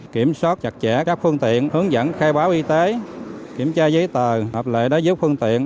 kiểm soát chặt chẽ các phương tiện hướng dẫn khai báo y tế kiểm tra giấy tờ hợp lệ đối với phương tiện